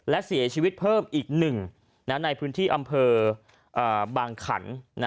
และเสียชีวิตเพิ่มอีก๑ในพื้นที่อำเภอบางขัน